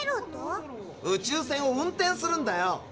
宇宙船を運転するんだよ。